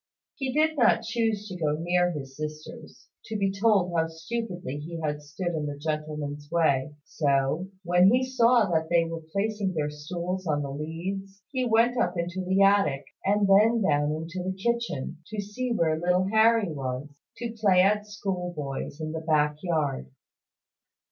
He did not choose to go near his sisters, to be told how stupidly he had stood in the gentleman's way; so, when he saw that they were placing their stools on the leads, he went up into the attic, and then down into the kitchen, to see where little Harry was, to play at schoolboys in the back yard.